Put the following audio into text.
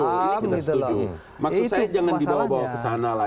maksud saya jangan dibawa bawa ke sana lah